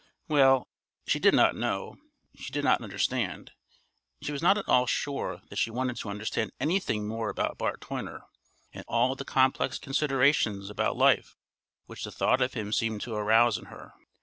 Well, she did not know; she did not understand; she was not at all sure that she wanted to understand anything more about Bart Toyner and all the complex considerations about life which the thought of him seemed to arouse in her.